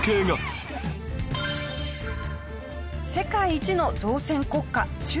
世界一の造船国家中国。